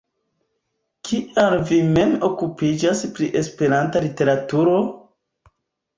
Kial vi mem okupiĝas pri Esperanta literaturo?